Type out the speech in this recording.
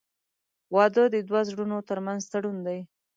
• واده د دوه زړونو تر منځ تړون دی.